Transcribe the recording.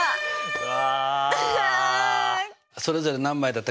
うわ！